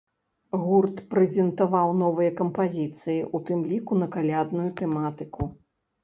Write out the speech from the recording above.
Гурт прэзентаваў новыя кампазіцыя, у тым ліку на калядную тэматыку.